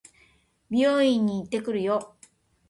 美容院に行ってくるよ。